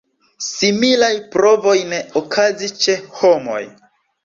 Similaj provoj ne okazis ĉe homoj.